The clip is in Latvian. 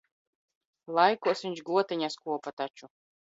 Laikos viņš gotiņas kopa taču.